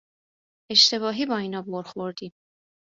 اشتباهی با اینا بُر خوردی